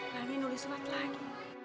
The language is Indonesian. pelangi nulis surat lagi